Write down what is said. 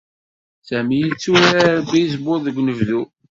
Sami yetturar bizbul deg unebdu.